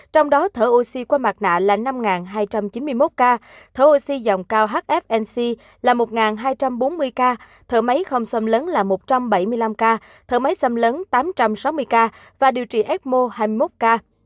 trong đó thở oxy qua mặt nạ là năm hai trăm chín mươi một ca thở oxy dòng cao hfnc là một hai trăm bốn mươi ca thở máy không xâm lấn là một trăm bảy mươi năm ca thở máy xâm lấn tám trăm sáu mươi ca và điều trị ecmo hai mươi một ca